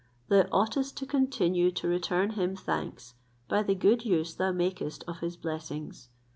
Thou oughtest to continue to return him thanks by the good use thou makest of his blessings.